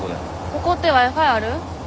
ここってＷｉ−Ｆｉある？